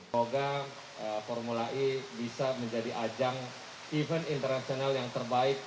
semoga formula e bisa menjadi ajang event internasional yang terbaik